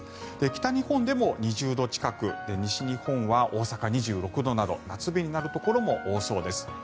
北日本でも２０度近く西日本は、大阪２６度など夏日になるところも多そうです。